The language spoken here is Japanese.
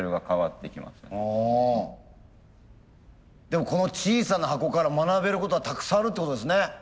でもこの小さな箱から学べることがたくさんあるってことですね。